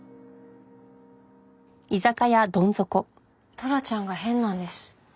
トラちゃんが変なんです。